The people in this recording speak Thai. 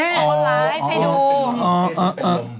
อ๋อไปดูอ๋อ